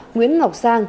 nguyễn ngọc sang